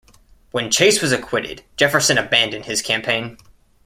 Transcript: When Chase was acquitted, Jefferson abandoned his campaign.